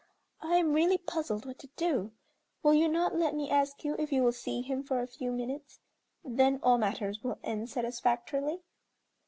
I am really puzzled what to do. Will you not let me ask you if you will see him for a few minutes, then all matters will end satisfactorily?"